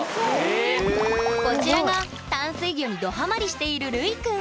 こちらが淡水魚にどハマりしているるいくん。